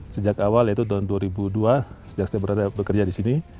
sejak awal yaitu tahun dua ribu dua sejak saya bekerja di sini